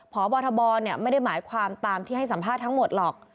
พบทบไม่ได้หมายความตามที่ให้สัมภาษณ์ทั้งหมดหรอก